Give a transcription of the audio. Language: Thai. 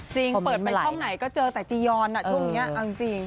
เปิดไปช่องไหนก็เจอแต่จียอนช่วงนี้เอาจริง